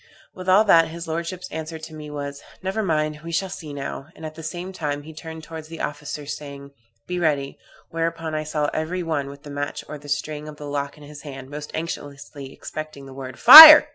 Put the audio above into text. With all that, his lordship's answer to me was, 'Never mind, we shall see now;' and at the same time he turned towards the officers, saying, 'Be ready,' whereupon I saw every one with the match or the string of the lock in his hand, most anxiously expecting the word 'Fire'!